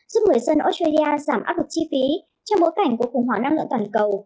giúp người dân australia giảm áp lực chi phí trong bối cảnh cuộc khủng hoảng năng lượng toàn cầu